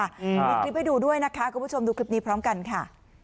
มีคลิปให้ดูด้วยนะคะคุณผู้ชมดูคลิปนี้พร้อมกันค่ะ